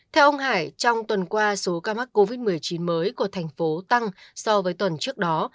theo ông hải trong tuần qua số ca mắc covid một mươi chín mới của thành phố tăng so với tuần trước đó